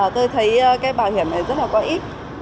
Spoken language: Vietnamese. tôi thấy cái bảo hiểm này rất là có ít